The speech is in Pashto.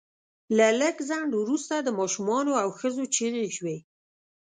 له لږ ځنډ وروسته د ماشومانو او ښځو چیغې شوې